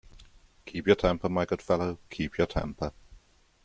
Keep your temper, my good fellow, keep your temper!